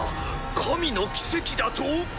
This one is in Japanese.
神の奇跡だと？